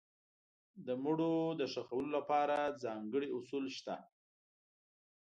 د مړو د ښخولو لپاره ځانګړي اصول شته.